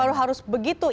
kenapa harus begitu